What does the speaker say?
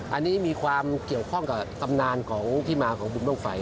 อันนี้ความเกี่ยวข้องกับกำนานที่มาในกุมล่องไฟ